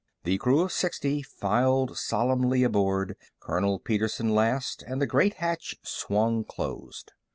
The crew of sixty filed solemnly aboard, Colonel Petersen last, and the great hatch swung closed.